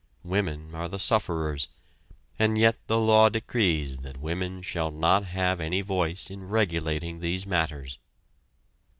Women are the sufferers and yet the law decrees that women shall not have any voice in regulating these matters.